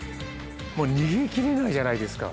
逃げきれないじゃないですか。